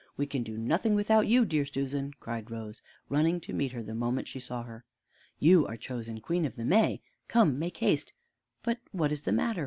We can do nothing without you, dear Susan," cried Rose, running to meet her the moment she saw her, "You are chosen Queen of the May come, make haste. But what is the matter?